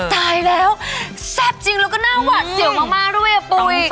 ตายแล้วแซ่บจริงแล้วก็น่าหวาดเสียวมากด้วยอ่ะปุ๋ย